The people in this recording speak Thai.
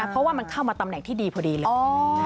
เพราะว่ามันเข้ามาตำแหน่งที่ดีพอดีเลย